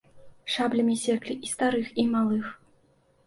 Шаблямі секлі і старых, і малых.